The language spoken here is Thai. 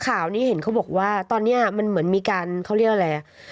ข่าวนี้เห็นเขาบอกว่าตอนนี้มันเหมือนมีการเขาเรียกอะไรอ่ะ